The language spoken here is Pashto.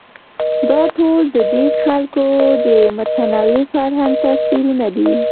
دا ټول ددې خلکو د متنوع فرهنګ تصویرونه دي.